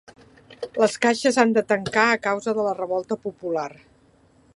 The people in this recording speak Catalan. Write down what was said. Les Caixes han de tancar a causa de la revolta popular.